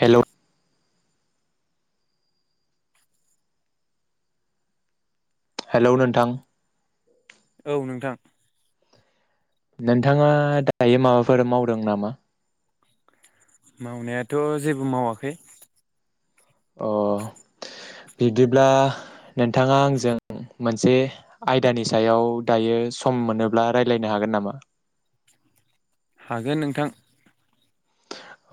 Hello hello नोंथां। औ नोंथां। नोंथाङा दायो माबाफोर मावदों नामा मावनायाथ' जेबो मावाखै। अ' बिब्दिब्ला नोंथाङा आंजों मोनसे आयदानि सायाव दायो सम मोनोब्ला रायलायनो हागोन नामा हागोन नोंथां।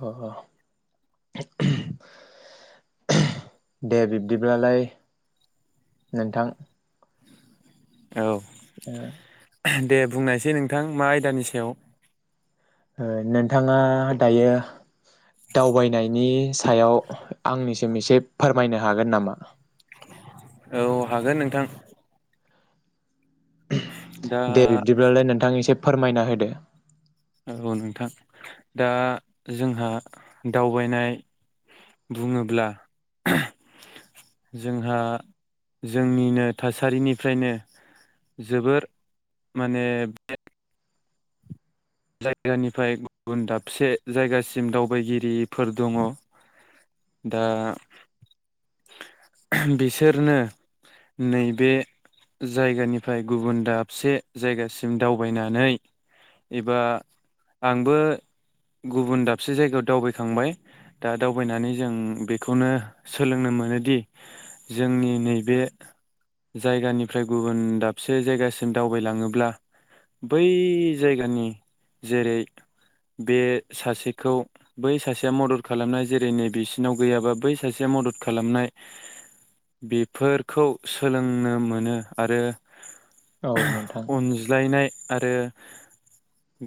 अ' अ' थाइ दे बिब्दिब्लालाय नोंथां। औ ओ दे बुंनायसै नोंथां मा आयदानि सायाव ओ नोंथाङा दायो दावबायनायनि सायाव आंनिसिम एसे फोरमायनो हागोन नामा औ हागोन नोंथां दा दे बिब्दिब्लालाय नोंथां एसे फोरमायना होदो औ नोंथां दा जोंहा दावबायनाय बुङोब्ला जोंहा जोंनिनो थासारिनिफ्रायनो जोबोर माने [inaudible] एबा आंबो गुबुन दाबसे जायगायाव दावबायखांबाय दा दावबायनानै जों बेखौनो सोलोंनो मोनोदि जोंनि नैबे जायगानिफ्राय गुबुन दाबसे जायगासिम दावबायलाङोब्ला बै जायगा गियानि जेरै बे सासेखौ बै सासेया मदद खालामनाय जेरै नैबेसिनाव गैयाबा बै सासेया मदद खालामनाय बेफोरखौ सोलोंनो मोनो आरो औ नोंथां अनज्लायनाय आरो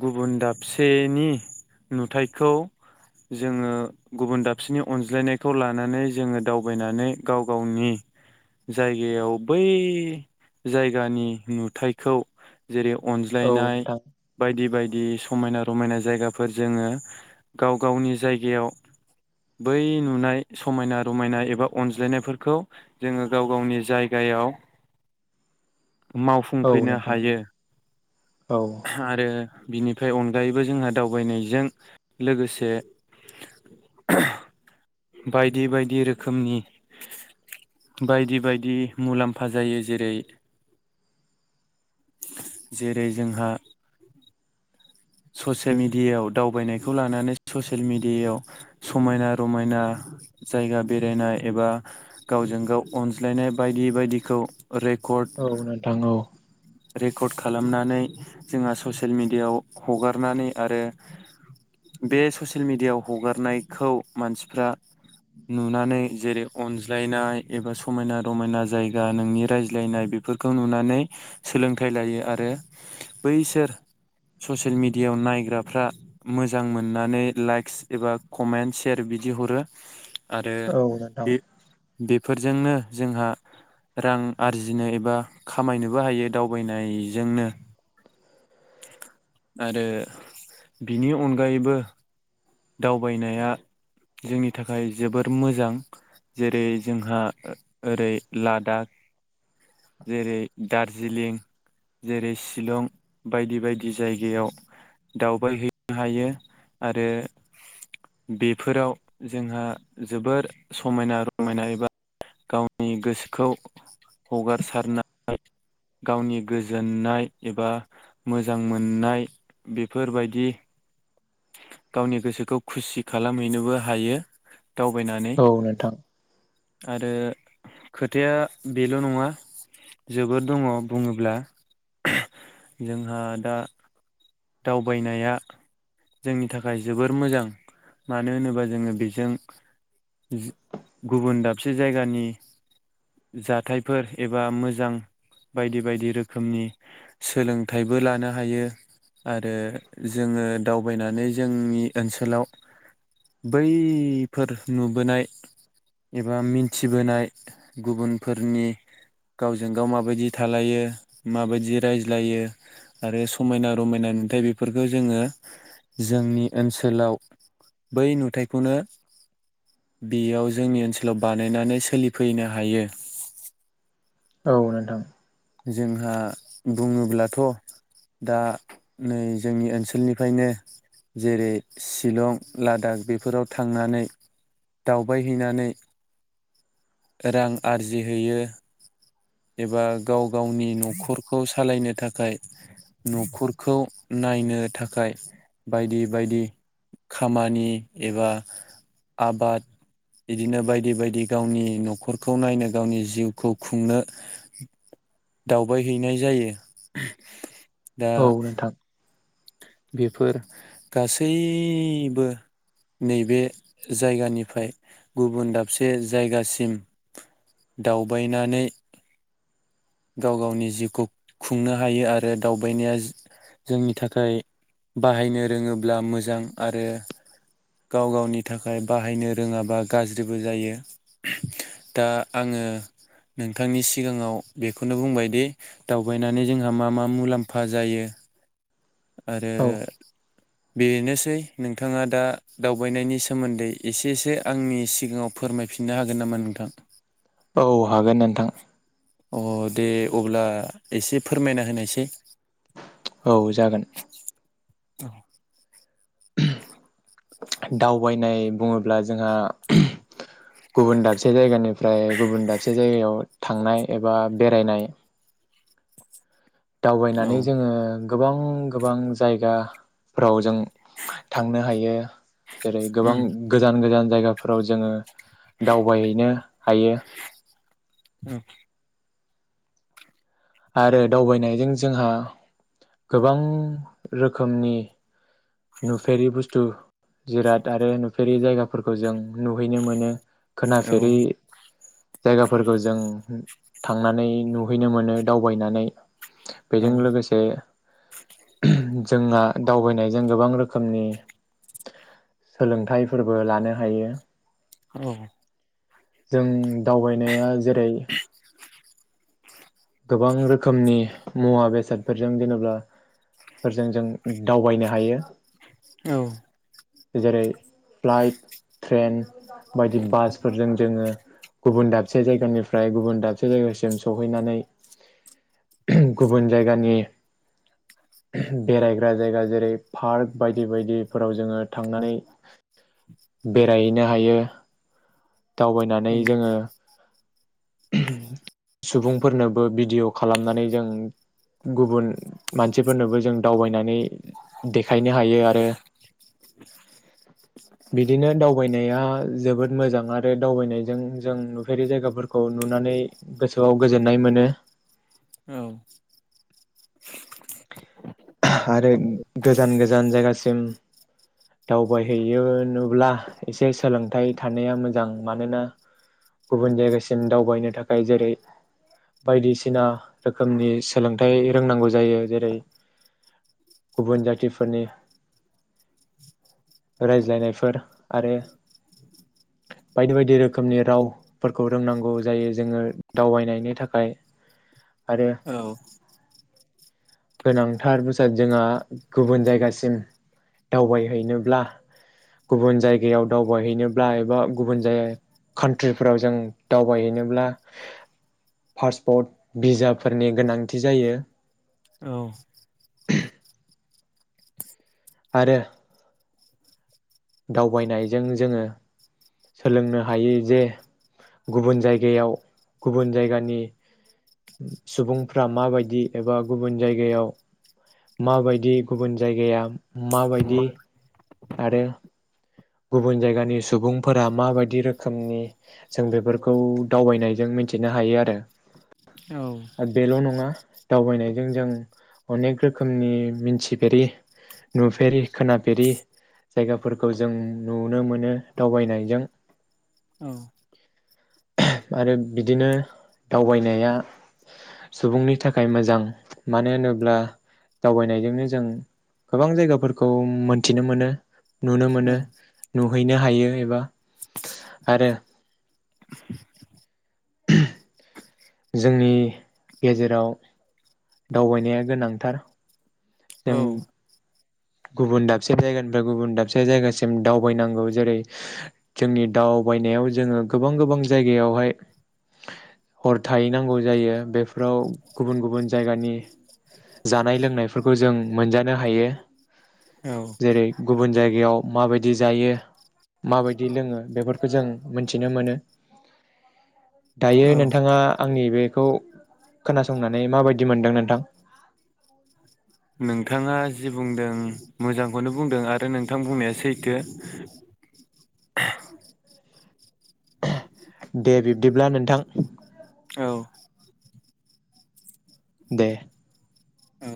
गुबुन दाबसेनि नुथायखौ जोङो गुबुन दाबसेनि अनज्लायनायखौ लानानै जोङो दावबायनानै गाव गावनि जायगायाव बै जायगानि नुथायखौ जेरै औ अनज्लायनाय नोंथां बायदि बायदि समायना रमायना जायगाफोर जोङो गाव गावनि जायगायाव बै नुनाय समायना रमायना एबा अनज्लायनायफोरखौ जोङो गाव गावनि जायगायाव औ मावफुंफैनो नोंथां हायो। औ आरो बिनिफ्राय अनगायैबो जोंहा दावबायनायजों लोगोसे बायदि बायदि रोखोमनि बायदि बायदि मुलाम्फा जायो जेरै जेरै जोंहा ससेल मिडियाव दावबायनायखौ लानानै ससियेल मिडियाव समायना रमायना जायगा बेरायनाय एबा गावजों गाव अनज्लायनाय बायदि बायदिखौ रेकर्ड औ नोंथां औ रेकर्ड खालामनानै जोंहा ससेल मिडिआव हगारनानै आरो बे ससेल मिडिआव हगारनायखौ मानसिफ्रा नुनानै जेरै अनज्लायनाय एबा समायना रमायना जायगा नोंनि रायज्लायनाय बेफोरखौ नुनानै सोलोंथाइ लायो आरो बैसोर ससेल मिडियाव नायग्राफ्रा मोजां मोननानै लाइक्स एबा कमेन्टस सेयार बिदि हरो। आरो औ नोंथां बे फोरजोंनो जोंहा रां आरजिनो एबा खामायनोबो हायो। दावबायनाय जोंनो आरो बिनि अनगायैबो दावबायनाया जोंनि थाखाय जोबोर मोजां जेरै जोंहा ओरै लादाख जेरै दार्जिलिं जेरै शिलं बायदि बायदि जायगायाव दावबायहैनो हायो आरो बेफोराव जोंहा जोबोर समायना रमायना एबा गावनि गोसोखौ हगारसारनाय गावनि गोजोननाय एबा मोजां मोननाय बेफोरबायदि गावनि गोसोखौ खुसि खालामहैनोबो हायो। दावबायनानै औ नोंथां। आरो खोथाया बेल' नङा जोबोर दङ बुङोब्ला जोंहा दा दावबायनाया जोंनि थाखाय जोबोर मोजां मानो होनोबा जोङो बेजों गुबुन दाबसे जायगानि जाथायफोर एबा मोजां बायदि बायदि रोखोमनि सोलोंथाइबो लानो हायो। आरो जोङो दावबायनानै जोंनि ओनसोलाव बैफोर नुबोनाय एबा मिनथिबोनाय गुबुनफोरनि गावजों गाव माबायदि थालायो माबायदि रायज्लायो आरो समायना रमायना नुथाय बेफोरखो जोङो जोंनि ओनसोलाव बै नुथायखौनो बेयाव जोंनि ओनसोलाव बानायनानै सोलिफैनो हायो। औ नोंथां। जोंहा बुङोब्लाथ' दा नै जोंनि ओनसोलनिफ्रायनो जेरै शिलं लादाख बेफोराव थांनानै दावबायहैनानै रां आरजिहैयो एबा गाव गावनि न'खरखौ सालायनो थाखाय न'खर खौ नायनो थाखाय बायदि बायदि खामानि एबा आबाद बिदिनो बायदि बायदि गावनि न'खरखौ नायनो गावनि जिउखौ खुंनो दावबायहैनाय जायो। दा औ नोंथां। बेफोर गासैबो नैबे जायगानिफ्राय गुबुन दाबसे जायगासिम दावबायनानै गाव गावनि जिउखौ खुंनो हायो आरो दावबायनाया जोंनि थाखाय बाहायनो रोङोब्ला मोजां आरो गाव गावनि थाखाय बाहायनो रोङाबा गाज्रिबो जायो दा आङो नोंथांनि सिगाङाव बेखौनो बुंबायदि दावबायनानै जोंहा मा मा मुलाम्फा जायो। आरो औ बेनोसै नोंथाङा दा दावबायनायनि सोमोन्दै एसे सो आंनि सिगाङाव फोरमायफिननो हागोन नामा नोंथां? औ हागोन नोंथां। अ दे अब्ला एसे फोरमायना होनायसै। औ जागोन। [inaudible] दावबायनाय बुङोब्ला जोंहा गुबुन दाबसे जायगानि फ्राय गुबुन दाबसे जायगायाव थांनाय एबा बेरायनाय। औ दावबायनानै जोङो गोबां गोबां जायगाफ्राव जों थांनो हायो। जेरै गोबां उम गोजान गोजान जायगा फोराव जोङो दावबायहैनो हायो। औ आरो दावबायनायजों जोंहा गोबां रोखोमनि नुफेरि बुस्थु जिराद आरो नुफेरि जायगाफोरखौ जों नुहैनो मोनो। औ खोनाफेरि जायगाफोरखौ जों थांनानै नुहैनो मोनो। दावबायनानै औ बेजों लोगोसे जोंहा दावबायनायजों गोबां रोखोमनि सोलोंथाइफोरबो लानो हायो। औ। जों दावबायनाया जेरै गोबां रोखोमनि मुवा बेसादफोरजों जेनोब्ला फोरजों जों दावबायनो हायो। औ। जेरै फ्लाइट ट्रेन। बायदि बासफोरजों जोङो गुबुन दाबसे जायगानिफ्राय गुबुन दाबसे जायगासिम सहैनानै। गुबुन जायगानि बेरायग्रा जायगा जेरै पार्क बायदि बायदिफोराव जोङो थांनानै बेरायहैनो हायो। दावबायनानै औ जोङो। सुबुंफोरनो बो भिडिअ खालामनानै जों गुबुन मानसिफोरनोबो जों दावबायनानै देखायनो हायो आरो बिदिनो दावबायनाया जोबोद मोजां आरो दावबायनायजों जों नुफेरि जायगाफोरखौ नुनानै गोसोआव गोजोननाय मोनो। औ। आरो गोजान गोजान जायगासिम दावबायहैयो नुब्ला एसे सोलोंथाइ थानाया मोजां मानोना गुबुन जायगासिम दावबायनो थाखाय जेरै बायदिसिना रोखोमनि सोलोंथाइ रोंनांगौ जायो जेरै गुबुन जाथिफोरनि रायज्लायनायफोर आरो बायदि बायदि रोखोमनि रावफोरखौ रोंनांगौ जायो जोङो दावबायनायनि थाखाय आरो गोनां। थार बेसाद जोंहा गुबुन जायगासिम दावबायहैनोब्ला गुबुन जायगायाव दावबायहैनोब्ला एबा गुबुन जायगा कान्ट्रिफोराव जों दावबायहैनोब्ला पासपर्ट भिजाफोरनि गोनांथि जायो। आरो दावबायनायजों जोङो सोलोंनो हायो जे गुबुन जायगायाव गुबुन जायगानि सुबुंफ्रा माबायदि एबा गुबुन जायगायाव माबायदि गुबुन जायगाया माबायदि आरो गुबुन जायगानि सुबुंफोरा माबायदि रोखोमनि जों बेफोरखौ दावबायनायजों मिथिनो हायो आरो औ ओ बेल' नङा दावबायनायजों जों अनेक रोखोमनि मिथिफेरि नुफेरि खोनाफेरि जायगाफोरखौ जों नुनो मोनो दावबायनायजों औ आ आरो बिदिनो दावबायनाया सुबुंनि थाखाय मोजां मानो होनोब्ला दावबायनायजोंनो जों गोबां जायगाफोरखौ मोनथिनो मोनो नुनो नु हैनो हायो एबा आरो [inaudible] जोंनि गेजेराव दावबायनाया गोनांथार जों गुबुन दाबसे जायगानिफ्राय गुबुन दाबसे जायगासिम दावबायनांगौ जेरै जोंनि दावबायनायाव जोङो गोबां गोबां जायगायावहाय हर थाहैनांगौ जायो बेफोराव गुबुन गुबुन जायगानि जानाय लोंनायफोरखौ जों मोनजानो हायो औ जेरै गुबुन जायगायाव माबायदि जायो माबायदि लोङो बेफोरखौ जों मिथिनो मोनो दायो औ नोंथाङा आंनि बेखौ खोनासंनानै माबायदि मोनदों नोंथां नोंथाङा जि बुंदों मोजांखौनो बुंदों आरो नोंथां बुंनाया सैथो दे बिब्दिब्ला नोंथां औ दे औ